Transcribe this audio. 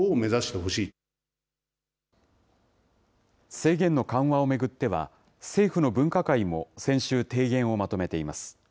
制限の緩和を巡っては、政府の分科会も先週、提言をまとめています。